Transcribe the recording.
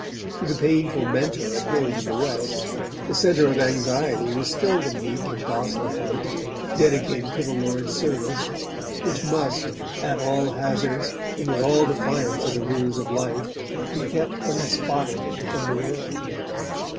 To the painful mentor at home in the West, the centre of anxiety was still the meek and docile heart, dedicated to the Lord's service, which must, at all hazards and with all defiance of the rules of life, be kept unspotted from the world.